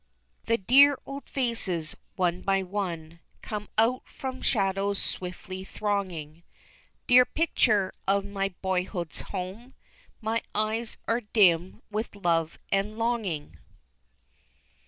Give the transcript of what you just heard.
The dear old faces, one by one, Come out from shadows swiftly thronging, Dear picture of my boyhood's home, My eyes are dim with love and longing!